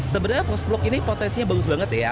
sebenarnya post blok ini potensinya bagus banget ya